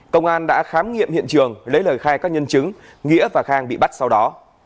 công an đã khám nghiệm hiện trường lấy lời khai các nhân chứng nghĩa và khang bị bắt sau đó